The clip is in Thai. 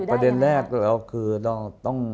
ประเด็นแรกเราคือต้อง